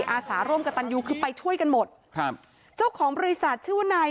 อาสาร่วมกับตันยูคือไปช่วยกันหมดครับเจ้าของบริษัทชื่อว่านาย